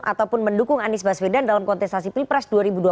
ataupun mendukung anies baswedan dalam kontestasi pilpres dua ribu dua puluh